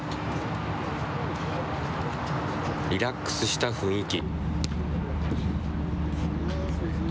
リラックスした雰囲気。